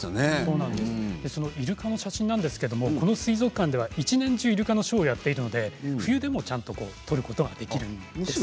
イルカの写真なんですけどこの水族館では一年中イルカのショーをやってるので冬でもちゃんと撮ることができるんです。